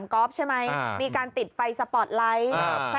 ถน่ำกอลป์ใช่มั้ยอ่ามีการติดไฟสอปอร์ตไลค์อ่า